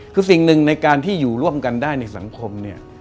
คือสิ่งหนึ่งในการที่อยู่ร่วมกันได้ในสังคมเนี่ย